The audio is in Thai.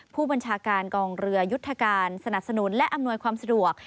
ผู้บัญชาการกองเรือยุทธการสนับสนุนและอำนวยความสะดวก